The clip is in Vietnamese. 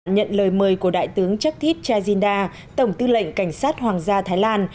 nhận lời mời của đại tướng charth chajinda tổng tư lệnh cảnh sát hoàng gia thái lan